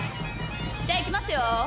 じゃいきますよ！